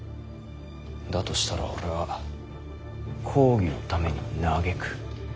だとしたら俺は公儀のために嘆く。